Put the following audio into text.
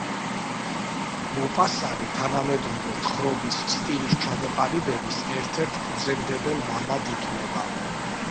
მოპასანი თანამედროვე თხრობის სტილის ჩამოყალიბების ერთ-ერთ ფუძემდებელ მამად ითვლება.